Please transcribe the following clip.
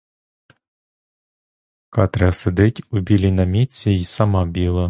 Катря сидить у білій намітці й сама біла.